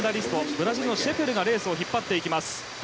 ブラジルのシェフェルがレースを引っ張っていきます。